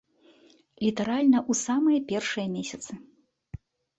Літаральна ў самыя першыя месяцы.